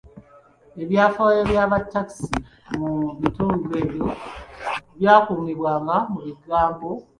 Ebyafaayo by’abatakansi mu bitundu ebyo byakuumibwanga mu bigambo bugambo.